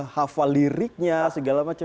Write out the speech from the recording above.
hava liriknya segala macam